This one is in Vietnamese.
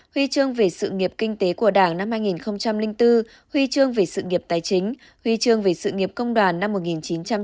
huy chương về sự nghiệp kinh tế của đảng năm hai nghìn bốn huy chương về sự nghiệp tài chính huy chương về sự nghiệp công đoàn năm một nghìn chín trăm tám mươi